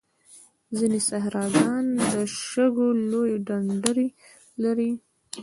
ځینې صحراګان د شګو لویې ډنډرې لري.